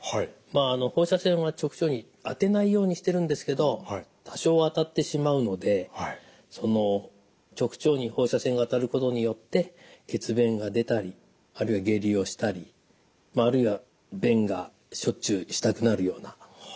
放射線は直腸に当てないようにしてるんですけど多少当たってしまうので直腸に放射線が当たることによって血便が出たりあるいは下痢をしたりあるいは便がしょっちゅうしたくなるようなことが起きます。